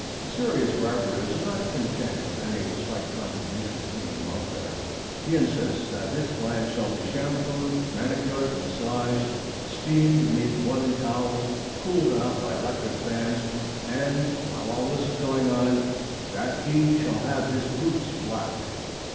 The serious barber is not content with any slight contribution to human welfare. He insists that his client shall be shampooed, manicured, massaged, steamed beneath boiling towels, cooled off by electric fans and, while all this is going on, that he shall have his boots blacked.